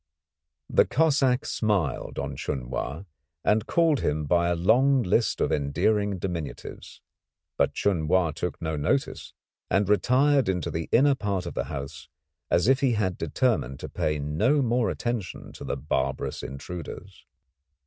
The Cossack smiled on Chun Wa and called him by a long list of endearing diminutives, but Chun Wa took no notice, and retired into the inner part of the house as if he had determined to pay no more attention to the barbarous intruders.